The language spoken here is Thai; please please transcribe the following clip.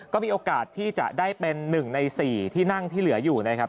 ก็มีโอกาสที่จะได้เป็น๑ใน๔ที่นั่งที่เหลืออยู่นะครับ